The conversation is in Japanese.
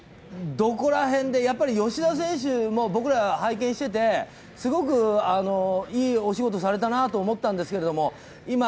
どこら辺で吉田選手も拝見していて、すごくいいお仕事されたなと思ったんですけど、